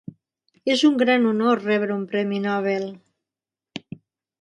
És un gran honor rebre un premi Nobel.